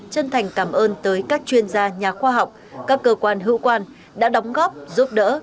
chân thành cảm ơn tới các chuyên gia nhà khoa học các cơ quan hữu quan đã đóng góp giúp đỡ